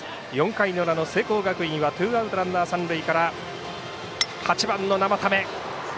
４回の裏の聖光学院はツーアウト、ランナー、三塁から８番の生田目。